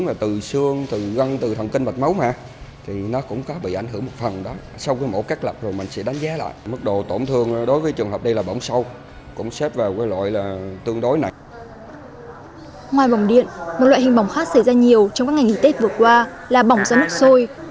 ngoài vòng điện một loại hình bỏng khác xảy ra nhiều trong các ngày nghỉ tết vừa qua là bỏng do nước sôi